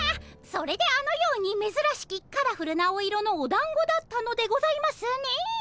それであのようにめずらしきカラフルなお色のおだんごだったのでございますね。